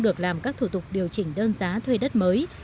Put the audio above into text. được làm các thủ tục điều chỉnh đơn giá thuê đất mới